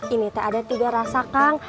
ini teh ada tiga rasa kang